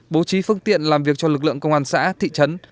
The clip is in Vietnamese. bố trí phương tiện làm việc cho lực lượng công an xã thị trấn